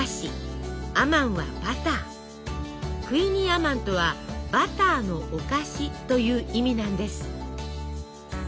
クイニーアマンとは「バターのお菓子」という意味なんです。